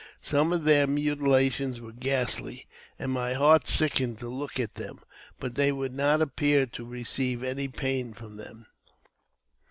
Some of their mutilations were ghastly, and my heart sickened to look at them; but they would not appear to receive any pain from them.